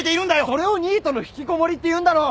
それをニートの引きこもりっていうんだろ！